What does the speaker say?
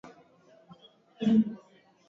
mwaka mwaka elfu moja mia tisa sitini na tisa